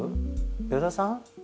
依田さん？